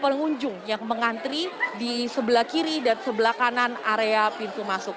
pengunjung yang mengantri di sebelah kiri dan sebelah kanan area pintu masuk